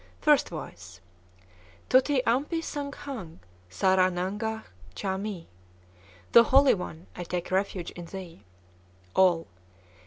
First Voice. Tuti âmpi sâng Khâng sârâ nang gâch' cha mi! (Thou Holy One! I take refuge in thee.) _All.